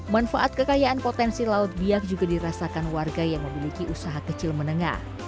manfaat kekayaan potensi laut biak juga dirasakan warga yang memiliki usaha kecil menengah